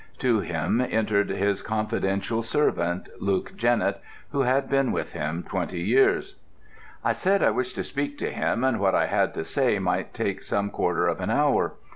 To him entered his confidential servant, Luke Jennett, who had been with him twenty years. "I said I wished to speak to him, and what I had to say might take some quarter of an hour.